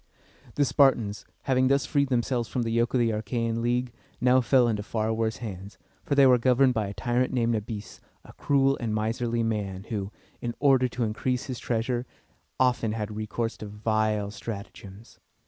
The Spartans, having thus freed themselves from the yoke of the Achæan League, now fell into far worse hands, for they were governed by a tyrant named Na´bis, a cruel and miserly man, who, in order to increase his treasure, often had recourse to vile stratagems.